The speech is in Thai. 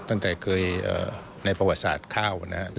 ตั้งแต่เคยในประวัติศาสตร์ข้าวนะครับ